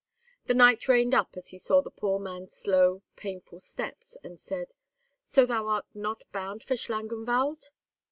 The knight reined up as he saw the poor man's slow, painful steps, and said, "So thou art not bound for Schlangenwald?"